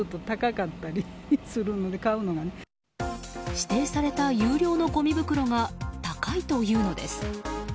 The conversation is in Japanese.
指定された有料のごみ袋が高いというのです。